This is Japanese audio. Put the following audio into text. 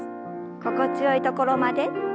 心地よいところまで。